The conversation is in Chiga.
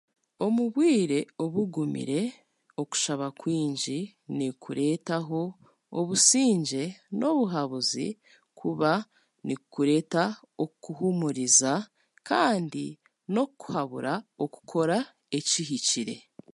Omu bwire obugumire, okushaba kwingi nikureetaho obusingye n'obuhabuzi kuba nikureeta okukuhuumuriza kandi n'okukuhabura okukora ekihikire